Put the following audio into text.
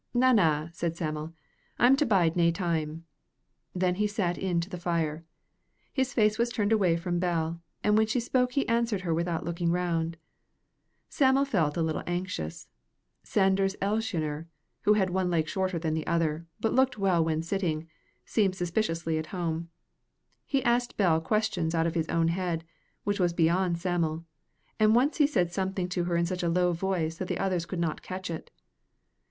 "Na, na," said Sam'l, "I'm to bide nae time." Then he sat in to the fire. His face was turned away from Bell, and when she spoke he answered her without looking round. Sam'l felt a little anxious. Sanders Elshioner, who had one leg shorter than the other, but looked well when sitting, seemed suspiciously at home. He asked Bell questions out of his own head, which was beyond Sam'l, and once he said something to her in such a low voice that the others could not catch it.